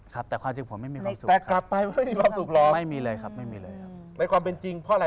ครับแต่ความจริงผมไม่มีความสุขครับ๐๕๗๐๐๐๗